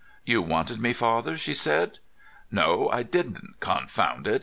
] "You wanted me, father," she said. "No, I didn't; confound it!"